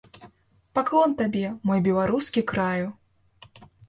Паклон табе, мой беларускі краю!